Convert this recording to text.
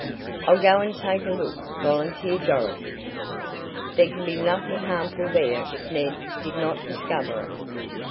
"I'll go and take a look," volunteered Dorothy. "There can be nothing harmful there if Ned did not discover it."